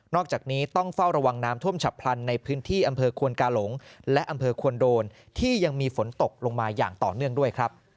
อกจากนี้ต้องเฝ้าระวังน้ำท่วมฉับพลันในพื้นที่อำเภอควนกาหลงและอำเภอควรโดนที่ยังมีฝนตกลงมาอย่างต่อเนื่องด้วยครับ